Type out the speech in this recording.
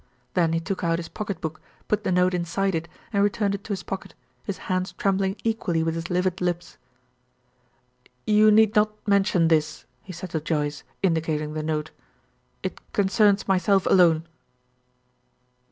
Then he took out his pocket book, put the note inside it, and returned it to his pocket, his hands trembling equally with his livid lips. "You need not mention this," he said to Joyce, indicating the note. "It concerns myself alone."